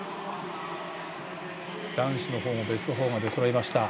男子のほうもベスト４が出そろいました。